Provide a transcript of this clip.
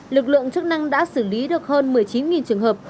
lực lượng chức năng đã xử lý được hơn một mươi chín trường hợp